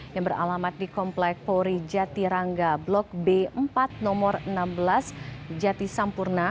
yang beralamat di komplek pori jatiranga blok b empat nomor enam belas jatisampurna